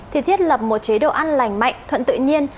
thì thiết lập một chế độ ăn lành mạnh thuận tự nhiên